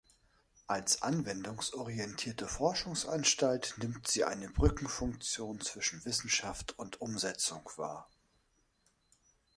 Als anwendungsorientierte Forschungsanstalt nimmt sie eine Brückenfunktion zwischen Wissenschaft und Umsetzung wahr.